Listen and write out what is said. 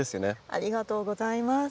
ありがとうございます。